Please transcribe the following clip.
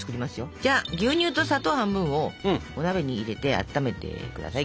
じゃあ牛乳と砂糖半分をお鍋に入れてあっためて下さい。